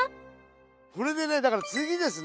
これでねだから次ですね。